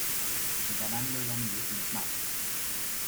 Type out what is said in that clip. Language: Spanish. Ganando el anillo con los Mavs.